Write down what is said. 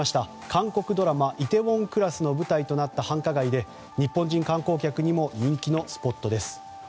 韓国ドラマ「梨泰院クラス」の舞台となった繁華街で日本人観光客にも人気のスポットです。